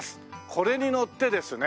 これに乗ってですね